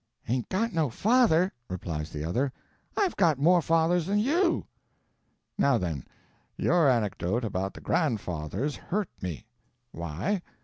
"Ain't got no father!" replies the other; "I've got more fathers than you." Now, then, your anecdote about the grandfathers hurt me. Why?